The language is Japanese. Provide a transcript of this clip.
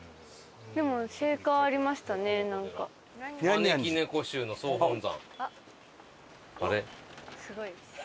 招喜猫宗の総本山。